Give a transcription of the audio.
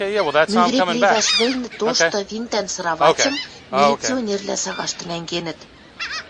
Мӱгӹреп левӓш вӹлнӹ тошты винтӓн сыравачым милиционервлӓ сагашты нӓнгенӹт.